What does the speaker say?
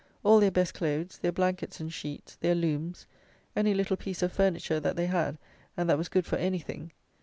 All their best clothes, their blankets and sheets; their looms; any little piece of furniture that they had, and that was good for anything.